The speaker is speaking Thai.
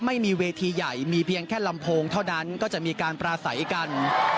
ไม่มีเวทีใหญ่มีเพียงแค่ลำโพงเท่านั้นก็จะมีการปราศัยกัน